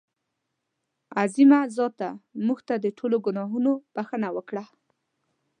عظیمه ذاته مونږ ته د ټولو ګناهونو بښنه وکړه.